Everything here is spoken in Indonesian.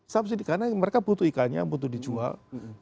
subsidi karena mereka butuh ikannya butuh dijual